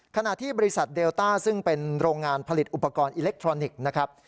ขณะที่บริษัทเดลต้าซึ่งเป็นโรงงานผลิตอุปกรณ์อิเล็กทรอนิกส์นะครับ